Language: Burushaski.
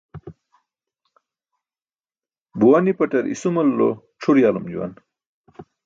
Buwa nipaṭar isumalulu c̣ʰur yalum juwaan.